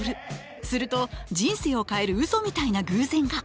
すると人生を変えるうそみたいな偶然が！